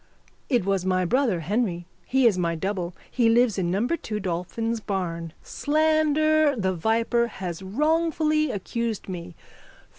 It was my brother Henry. He is my double. He lives in number 2 Dolphin's Barn. Slander, the viper, has wrongfully accused me.